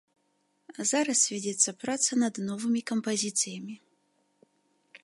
Зараз вядзецца праца над новымі кампазіцыямі.